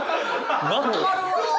分かるわ！